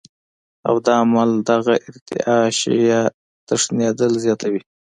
او دا عمل دغه ارتعاش يا تښنېدل زياتوي